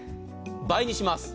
倍にします。